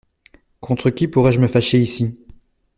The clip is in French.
Contre qui pourrais-je me fâcher ici ?